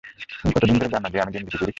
তুমি কতদিন ধরে জানো যে আমি দিনলিপি করি?